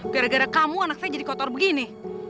gara gara kamu anak saya jadi kotor begini